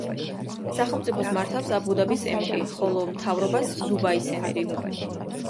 სახელმწიფოს მართავს აბუ-დაბის ემირი, ხოლო მთავრობას დუბაის ემირი.